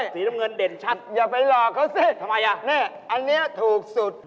สีน้ำเงินเด่นชัดนี่อันนี้ถูกสุดอย่าไปหลอกเขาสิ